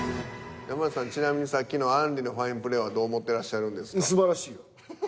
山内さんちなみにさっきのあんりのファインプレーはどう思ってらっしゃるんですか？